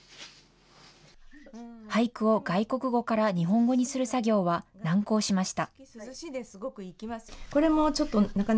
俳句を外国語から日本語にする作業は難航しました。